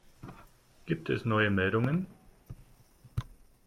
Gibt es neue Meldungen?